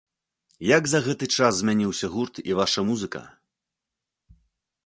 Як за гэты час змяніўся гурт і ваша музыка?